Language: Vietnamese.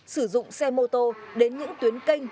sử dụng xe mô tô đến những tuyến kênh